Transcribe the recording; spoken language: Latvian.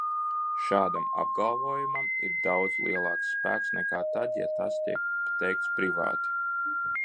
Šādam apgalvojumam ir daudz lielāks spēks nekā tad, ja tas tiek teikts privāti.